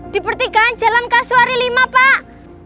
di pertigaan jalan kasuari lima pak